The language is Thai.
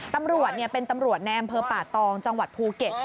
ตำรวจเป็นตำรวจในอำเภอป่าตองจังหวัดภูเก็ต